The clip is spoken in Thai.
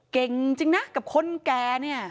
เก่งจริงนะกับคนแก่เนี่ย